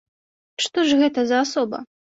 Што ж гэта за асоба?